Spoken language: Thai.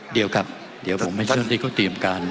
เดี๋ยวกับเดี่ยวผมให้เชิญที่เขาเตรียมการ